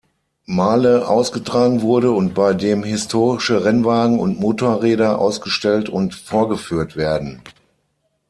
Male ausgetragen wurde und bei dem historische Rennwagen und Motorräder ausgestellt und vorgeführt werden.